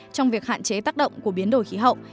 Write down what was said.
trong việc hạn chế tác động của biến đổi khí hậu